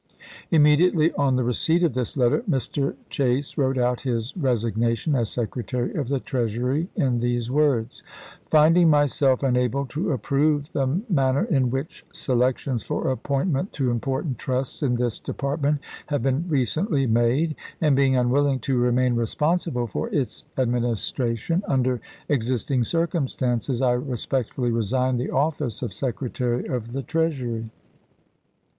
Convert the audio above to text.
Immediately on the receipt of this letter Mr. Chase wrote out his resignation as Secretary of the Treasury in these words : This was Finding myself unable to approve the manner in which indorsed . Mar. 3,1864, selections for appointment to important trusts in this withheil. department have been recently made, and being unwilling ^fe6of to remain responsible for its administration, under exist Scnasn "' *n£ °ircum stances, I respectfully resign the office of Sec pp. 524, 525. retary of the Treasury.